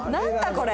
これ。